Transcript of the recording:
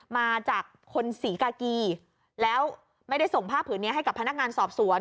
มาจากคนศรีกากีแล้วไม่ได้ส่งผ้าผืนนี้ให้กับพนักงานสอบสวน